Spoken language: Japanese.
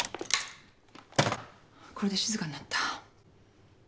これで静かになった。